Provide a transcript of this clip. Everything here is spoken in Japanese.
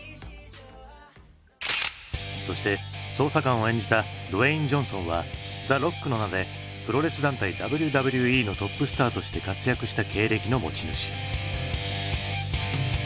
そして捜査官を演じたドウェイン・ジョンソンはザ・ロックの名でプロレス団体ＷＷＥのトップスターとして活躍した経歴の持ち主。